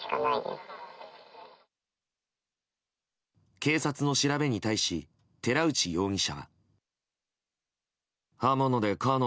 警察の調べに対し寺内容疑者は。